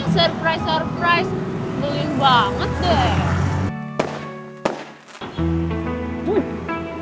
surprise surprise baling banget deh